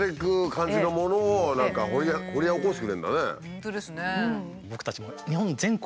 本当ですね。